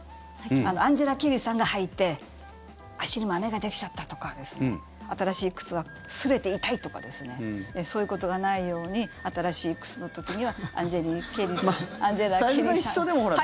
アンジェラ・ケリーさんが履いて足にまめができちゃったとか新しい靴はすれて痛いとかそういうことがないように新しい靴の時にはアンジェラ・ケリーさんが。